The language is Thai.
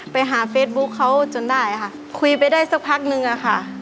ไปหาเฟซบุ๊คเขาจนได้ค่ะคุยไปได้สักพักนึงอะค่ะ